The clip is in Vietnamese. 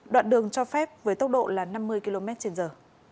đoạn đường cho phép với tốc độ là năm mươi km trên giờ